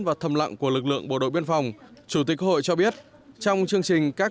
và thầm lặng của lực lượng bộ đội biên phòng chủ tịch hội cho biết trong chương trình các